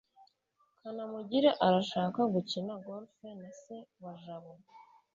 kanamugire arashaka gukina golf na se wa jabo